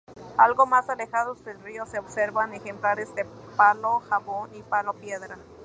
Algo más alejados del río se observan ejemplares de palo jabón y palo piedra.